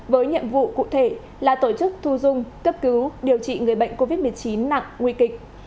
với nhiệm vụ cụ thể là tổ chức thu dung cấp cứu điều trị người bệnh covid một mươi chín nặng nguy kịch